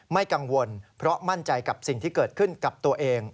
ไม่กังวลเพราะมั่นใจกับสิ่งที่เกิดขึ้นกับตัวเอง